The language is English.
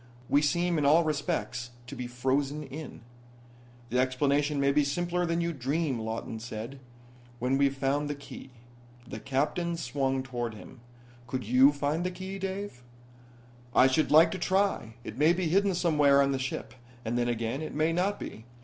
We seem in all respects to be frozen in." "The explanation may be simpler than you dream," Lawton said. "When we've found the key." The Captain swung toward him. "Could you find the key, Dave?" "I should like to try. It may be hidden somewhere on the ship, and then again, it may not be.